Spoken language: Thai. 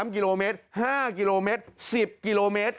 ๓กิโลเมตร๕กิโลเมตร๑๐กิโลเมตร